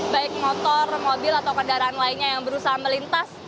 baik motor mobil atau kendaraan lainnya yang berusaha melintas